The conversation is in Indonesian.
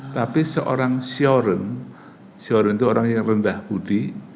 tapi seorang syoren syoren itu orang yang rendah budi